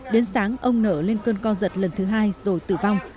đến sáng ông nở lên cơn co giật lần thứ hai rồi tử vong